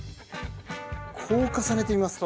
こう重ねてみますか。